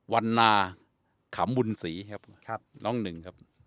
วันนาขำบุญศรีครับน้องหนึ่งครับ